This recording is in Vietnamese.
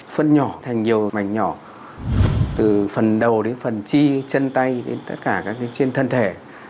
phân nhỏ thành nhiều mảnh nhỏ từ phần đầu đến phần chi chân tay đến tất cả các trên thân thể